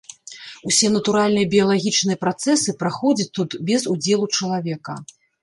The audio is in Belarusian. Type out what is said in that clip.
Усе натуральныя біялагічныя працэсы праходзяць тут без удзелу чалавека.